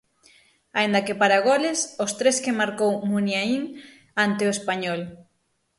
Aínda que para goles, os tres que marcou Muniaín ante o Español.